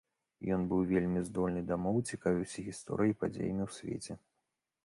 Ён быў вельмі здольны да моў, цікавіўся гісторыяй і падзеямі ў свеце.